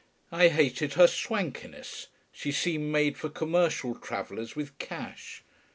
I hated her swankiness, she seemed made for commercial travellers with cash.